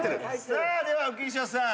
さあでは浮所さん